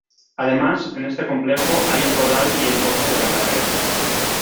Además, en este complejo hay un corral y el porche del acarreo.